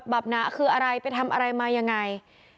บับหนาคืออะไรไปทำอะไรมายังไง